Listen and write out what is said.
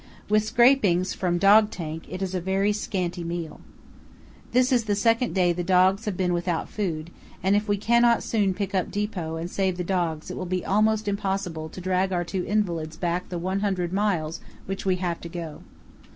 With scrapings from dog tank it is a very scanty meal. This is the second day the dogs have been without food, and if we cannot soon pick up depot and save the dogs it will be almost impossible to drag our two invalids back the one hundred miles which we have to go.